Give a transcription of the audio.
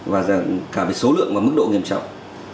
và cả về số lượng và mức độ nghiêm trọng